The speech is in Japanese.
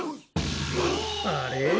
あれ？